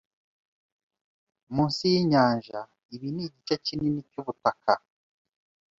munsi yinyanja Ibi ni igice kinini cyubutaka